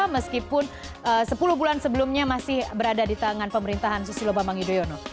meskipun sepuluh bulan sebelumnya masih berada di tangan pemerintahan susilo bambang yudhoyono